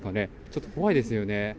ちょっと怖いですよね。